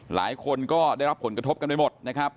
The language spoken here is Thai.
หลายคนก็ได้รับผลกระทบกันไปหมดนะครับ